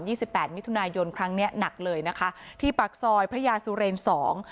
สิบแปดมิถุนายนครั้งเนี้ยหนักเลยนะคะที่ปากซอยพระยาสุเรนสอง